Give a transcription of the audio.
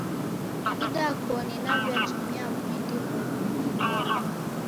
Idakoni naw'iatumia mwindi ghobolwa.